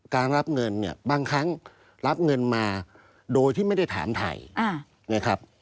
การรับเงินเนี่ยบางครั้งรับเงินมาโดยที่ไม่ได้ถามไทยนะครับ